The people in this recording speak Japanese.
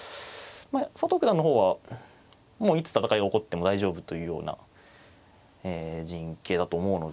佐藤九段の方はもういつ戦いが起こっても大丈夫というような陣形だと思うので。